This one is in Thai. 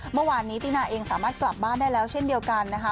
เมื่อวานนี้ตินาเองสามารถกลับบ้านได้แล้วเช่นเดียวกันนะคะ